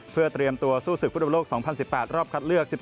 เพื่อเตรียมตัวสู้ศึกฟุตบอลโลก๒๐๑๘รอบคัดเลือก๑๒